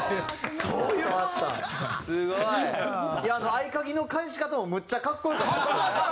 合鍵の返し方もむっちゃ格好良かったですよね。